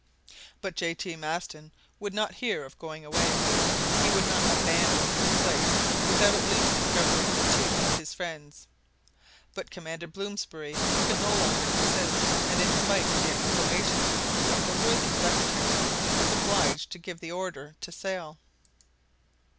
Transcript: But J. T. Maston would not hear of going away. He would not abandon the place without at least discovering the tomb of his friends. But Commander Blomsberry could no longer persist, and in spite of the exclamations of the worthy secretary, was obliged to give the order to sail.